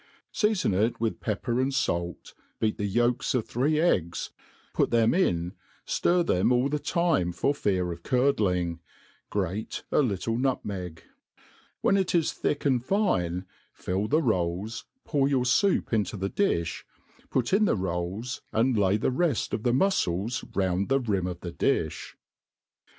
Seafon it w^th pepper and falc, beat the yolks of three eggs, put them in, ftir them all the time f >r fear of curd ItDg, grate a little tiutmeg ; when it is thick and fine, iiil tne rolls, pour your foup into the difh^ put in the rolls, and lay the reft of the muilels round the nm of the diih.